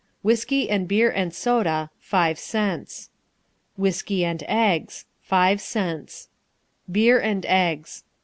Whisky and Beer and Soda .. 5 cents. Whisky and Eggs ..... 5 cents. Beer and Eggs